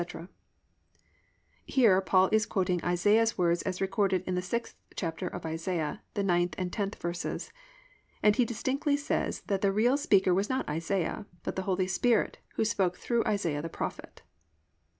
"+ Here Paul is quoting Isaiah's words as recorded in the 6th chapter of Isaiah, the 9th and 10th verses, and he distinctly says that the real speaker was not Isaiah, but "the Holy Spirit" who spoke "through Isaiah the prophet."